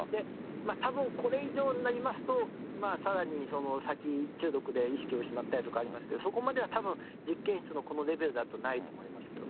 たぶん、これ以上になりますと、さらに先、中毒で意識を失ったりとかありますけど、そこまではたぶん、実験室のこのレベルだとないと思いますけどね。